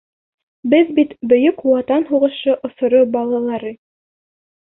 Беҙ бит Бөйөк Ватан һуғышы осоро балалары.